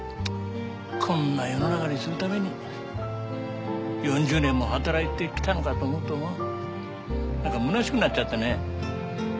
こんな世の中にするために４０年も働いてきたのかと思うともうなんかむなしくなっちゃってね。